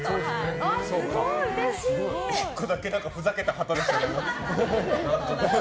１個だけふざけた旗でしたけど。